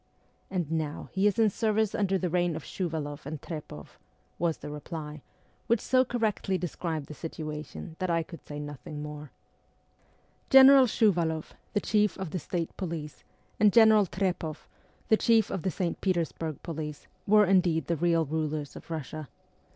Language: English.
And now he is in service under the reign of Shuvaloff and Trepoff !' was the reply, which so correctly described the situa tion that I could say nothing more. ST. PETERSBURG 23 General Shuvaloff, the chief of the State police, and General Trepoff, the chief of the St. Petersburg police, were indeed the real rulers of Russia.